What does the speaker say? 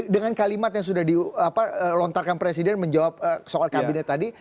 dengan kalimat yang sudah dilontarkan presiden menjawab soal kabinet tadi